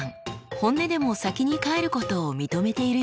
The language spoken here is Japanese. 本音でも先に帰ることを認めているようです。